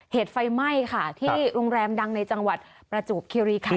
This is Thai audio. เหตุไฟไหม้ค่ะที่โรงแรมดังในจังหวัดประจวบคิริคัน